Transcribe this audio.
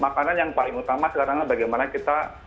makanan yang paling utama sekarang adalah bagaimana kita bisa menikmati